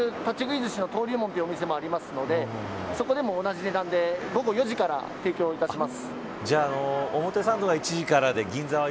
づくしの登竜門がありますのでそこでも同じ値段で午後４時から提供します。